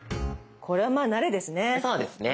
これはまあ慣れですね。